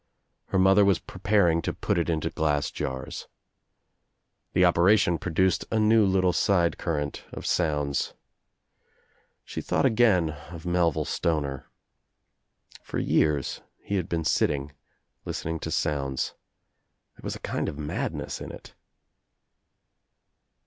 Her mother was preparing to put it into glass jars. The operation produced a new little side [current of sounds. She thought again of Melville 20O THE TRIUMPH OF THE EGG Stoncr. For years he had been sitting, listening to sounds. There was a kind of madness in it.